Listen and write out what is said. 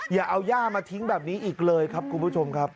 อย่าเอาย่ามาทิ้งแบบนี้อีกเลยครับคุณผู้ชมครับ